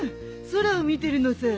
空を見てるのさ。